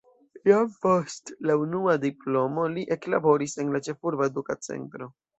Jam post la unua diplomo li eklaboris en la ĉefurba eduka centro.